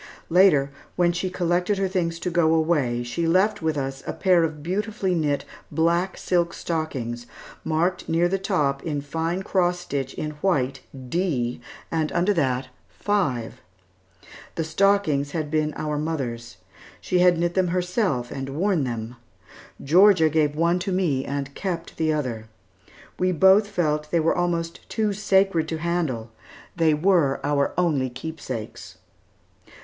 Later, when she collected her things to go away, she left with us a pair of beautifully knit black silk stockings, marked near the top in fine cross stitch in white, "D," and under that "5." The stockings had been our mother's. She had knit them herself and worn them. Georgia gave one to me and kept the other. We both felt that they were almost too sacred to handle. They were our only keepsakes.